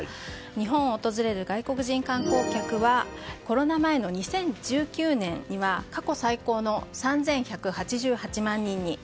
日本を訪れる外国人観光客はコロナ前の２０１９年には過去最高の３１８８万人に。